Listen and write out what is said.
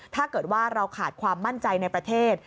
ถ้าเกิดว่าเราขาดความมั่นใจในประเทศ